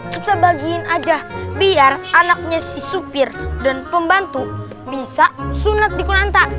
kita bagiin aja biar anaknya si supir dan pembantu bisa sunat di kuranta